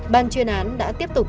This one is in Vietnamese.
ban chuyên án đã tiếp tục